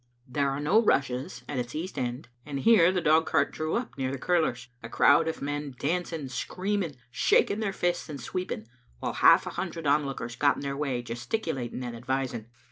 There are no rushes at its east end, and here the dog cart drew up near the curlers, a crowd of men dancing, screaming, shaking their fists and sweeping, while half a hundred onlookers got in their way, gesticulating and advising.